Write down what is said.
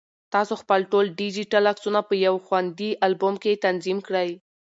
تاسو خپل ټول ډیجیټل عکسونه په یو خوندي البوم کې تنظیم کړئ.